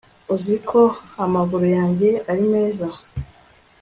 uziko amaguru yanjye ari meza